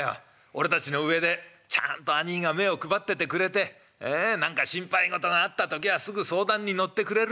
俺たちの上でちゃんと兄ぃが目を配っててくれて何か心配事があった時はすぐ相談に乗ってくれるしね。